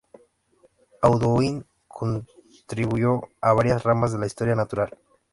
Audouin contribuyó a varias ramas de la historia natural.